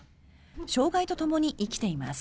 障害とともに生きています。